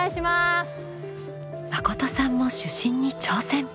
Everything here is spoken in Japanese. まことさんも主審に挑戦！